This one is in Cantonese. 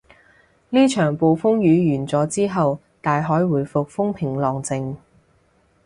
呢場暴風雨完咗之後，大海回復風平浪靜